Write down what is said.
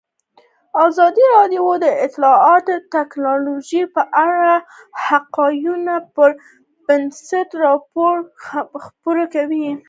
ازادي راډیو د اطلاعاتی تکنالوژي په اړه د حقایقو پر بنسټ راپور خپور کړی.